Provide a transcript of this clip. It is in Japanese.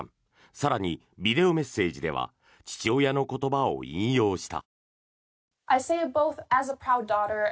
更に、ビデオメッセージでは父親の言葉を引用した。